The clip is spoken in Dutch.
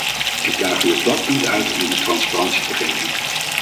Ik daag u op dat punt uit om die transparantie te geven.